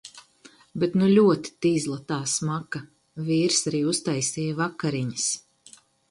Bet nu ļoti tizla tā smaka. Vīrs arī uztaisīja vakariņas.